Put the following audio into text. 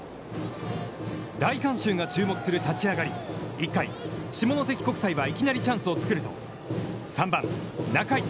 大観衆が注目する立ち上がり、１回、下関国際はいきなりチャンスを作ると３番・仲井。